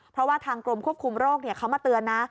เพราะว่าทางกรมควบคุมโรคเขามาเตือนนะ